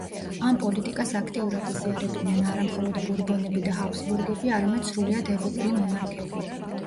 ამ პოლიტიკას აქტიურად იზიარებდნენ არამხოლოდ ბურბონები და ჰაბსბურგები, არამედ სრულიად ევროპელი მონარქები.